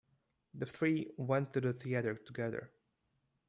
The three went to the theatre together.